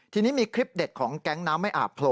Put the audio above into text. ทีนี้มีคลิปเด็ดของแก๊งน้ำไม่อาบโผล่